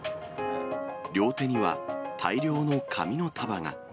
両手には大量の紙の束が。